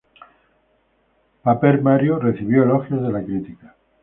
Paper Mario recibió elogios de la crítica.